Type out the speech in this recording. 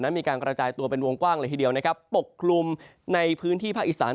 มีการกระจายตัวเป็นวงกว้างเลยทีเดียวนะครับปกคลุมในพื้นที่ภาคอีสาน